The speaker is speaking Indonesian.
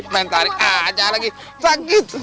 mentari aja lagi sakit